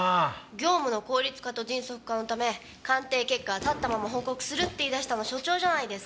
業務の効率化と迅速化のため鑑定結果は立ったまま報告するって言い出したの所長じゃないですか。